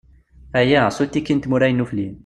Aya, s uttiki n tmura yennuflin.